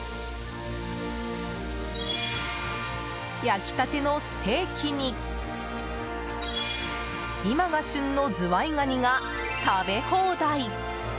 焼きたてのステーキに今が旬のズワイガニが食べ放題！